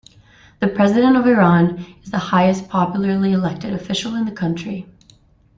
The President of Iran is the highest popularly elected official in the country.